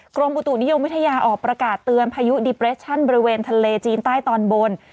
กรมอุตุนิยมวิทยาออกประกาศเตือนพายุดิเปรชั่นบริเวณทะเลจีนใต้ตอนบน